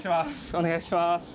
お願いします。